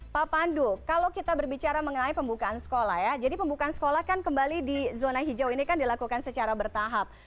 pak pandu kalau kita berbicara mengenai pembukaan sekolah ya jadi pembukaan sekolah kan kembali di zona hijau ini kan dilakukan secara bertahap